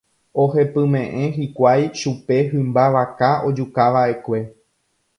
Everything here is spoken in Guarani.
Ohepyme'ẽ hikuái chupe hymba vaka ojukava'ekue.